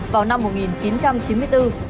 vào năm một nghìn chín trăm chín mươi bốn